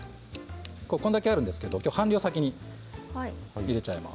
これだけあるんですけれどもきょうは半量を先に入れちゃいます。